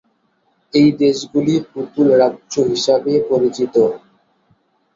এই দেশগুলি পুতুল রাজ্য হিসাবে পরিচিত।